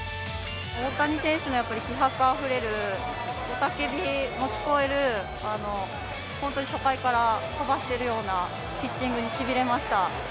大谷選手のやっぱり気迫あふれる雄たけびも聞こえる、本当に初回から飛ばしてるようなピッチングにしびれました。